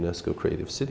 kể cả ba tuổi